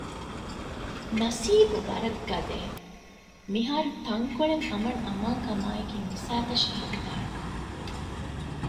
ނަސީބު ވަރަށް ގަދައެވެ! މިހާރުތަންކޮޅެއް އަމަންއަމާންކަމާއެކީ މި ސައިތަށި ހެދިދާނެ